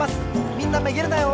みんなめげるなよ！